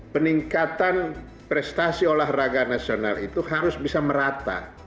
peningkatan prestasi olahraga nasional itu harus bisa merata